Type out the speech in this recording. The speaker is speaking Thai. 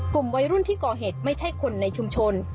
กลุ่มวัยรุ่นที่ก่อเหตุไม่ใช่คนในชุมชน